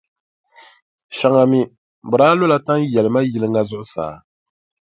Shɛŋa mi, bɛ daa lola tanʼ yɛlima yili ŋa zuɣu.